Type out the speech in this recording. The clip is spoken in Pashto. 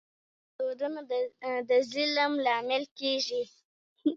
ځینې دودونه د ظلم لامل کېږي.